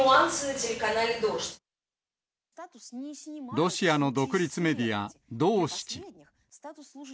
ロシアの独立メディア、ドーシチ。